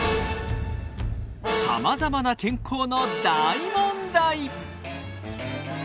さまざまな健康の大問題！